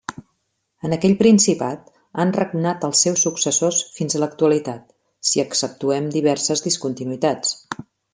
En aquell principat han regnat els seus successors fins a l'actualitat, si exceptuem diverses discontinuïtats.